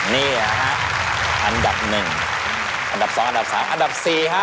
นี่นะครับอันดับ๑อันดับ๒อันดับ๓อันดับ๔ครับ